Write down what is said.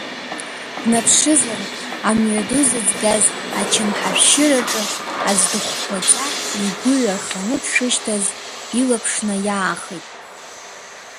Днаԥшызар, амҩаду зыҵгаз ачамҳа ашәшьыраҿы аӡә дыхәхәаӡа игәы ҩарханы дшышьҭаз илаԥш наиаахеит.